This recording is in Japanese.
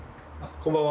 こんばんは。